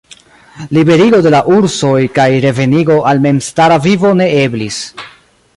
Liberigo de la ursoj kaj revenigo al memstara vivo ne eblis.